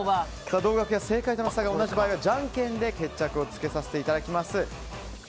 同額や正解との差が同じ場合はじゃんけんで決着をつけさせていただきます。